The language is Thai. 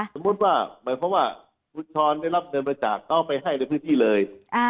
สมมุติว่าหมายความว่าคุณช้อนได้รับเงินบริจาคก็เอาไปให้ในพื้นที่เลย